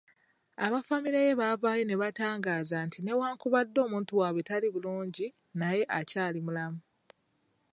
Aba ffamire ye baavaayo ne batangaaza nti newankubadde omuntu waabwe tali bulungi, naye akyali mulamu.